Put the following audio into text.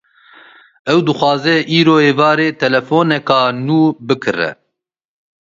Ew dixwaze îro êvarî telefoneka nû bikire